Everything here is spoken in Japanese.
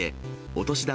お年玉。